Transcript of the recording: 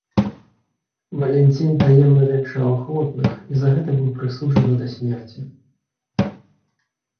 Валянцін таемна вянчаў ахвотных і за гэта быў прысуджаны да смерці.